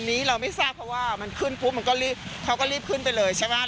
อันนี้เราไม่ทราบเพราะว่ามันขึ้นปุ๊บมันก็รีบเขาก็รีบขึ้นไปเลยใช่ไหม